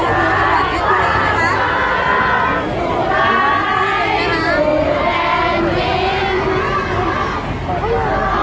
แล้ววันนี้นะครับคุณภัยบุญบรรคไชพลักษณ์นะครับ